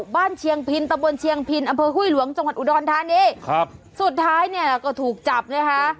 เชียงพินตะบนเชียงพินอำเภอห้วยหลวงจังหวัดอุดรธานีครับสุดท้ายเนี่ยก็ถูกจับนะคะ